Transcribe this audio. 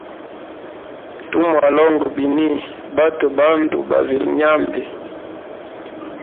Tumwalonga bini batwe bandu bavilye nyambi.